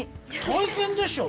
大変でしょ？